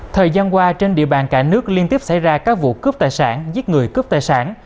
thời gian qua trên địa bàn cả nước liên tiếp xảy ra các vụ cướp tài sản giết người cướp tài sản